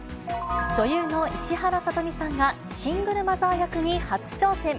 女優の石原さとみさんが、シングルマザー役に初挑戦。